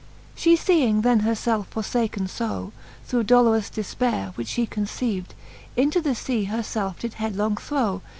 X. She feeing then her felfe forfaken fb, Through dolorous defpaire, which Ihe conceyved, Into the fea her felfe did headlong throw.